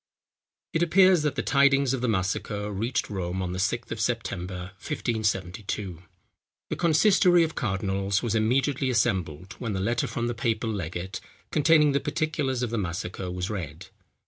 It appears that the tidings of the massacre reached Rome on the 6th of September, 1572. The consistory of cardinals was immediately assembled, when the letter from the papal legate, containing the particulars of the massacre, was read.